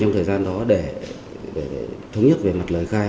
trong thời gian đó để thống nhất về mặt lời khai